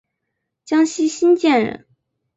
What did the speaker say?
江西新建人。